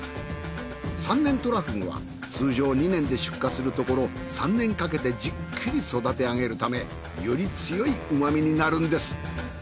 ３年とらふぐは通常２年で出荷するところ３年かけてじっくり育てあげるためより強い旨味になるんです。